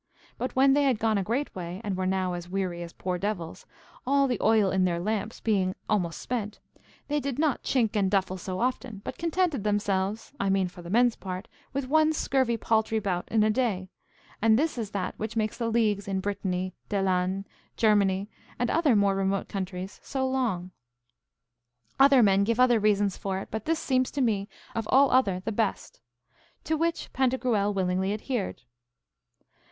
But when they had gone a great way, and were now as weary as poor devils, all the oil in their lamps being almost spent, they did not chink and duffle so often, but contented themselves (I mean for the men's part) with one scurvy paltry bout in a day, and this is that which makes the leagues in Brittany, Delanes, Germany, and other more remote countries so long. Other men give other reasons for it, but this seems to me of all other the best. To which Pantagruel willingly adhered.